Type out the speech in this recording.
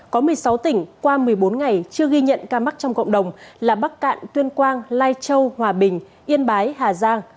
có một mươi sáu tỉnh qua một mươi bốn ngày chưa ghi nhận ca mắc trong cộng đồng là bắc cạn tuyên quang lai châu hòa bình yên bái hà giang